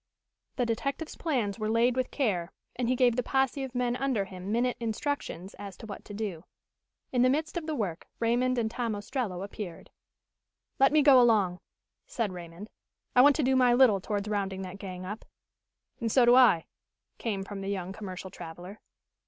The detective's plans were laid with care and he gave the posse of men under him minute instructions as to what to do. In the midst of the work Raymond and Tom Ostrello appeared. "Let me go along," said Raymond. "I want to do my little towards rounding that gang up." "And so do I," came from the young commercial traveler.